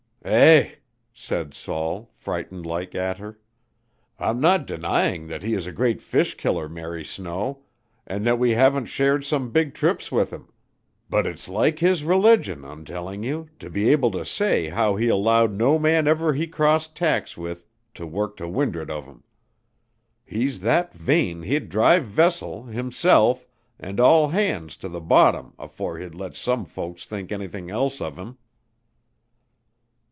"Eh!" said Saul, frightened like at her. "I'm not denying that he is a great fish killer, Mary Snow, and that we haven't shared some big trips with him; but it is like his religion, I'm telling you, to be able to say how he allowed no man ever he crossed tacks with to work to wind'ard of him. He's that vain he'd drive vessel, himself, and all hands to the bottom afore he'd let some folks think anything else of him."